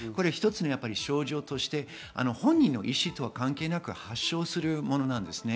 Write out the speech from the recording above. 一つの症状として本人の意思とは関係なく発症するものなんです。